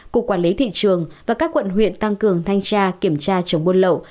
cục quản lý thị trường và các quận huyện tăng cường thanh tra kiểm tra chống buôn lậu